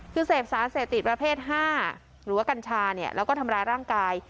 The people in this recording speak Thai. คือเสพสารเสพติดประเภท๕หรือว่ากัญชาแล้วก็ทำร้ายร่างกาย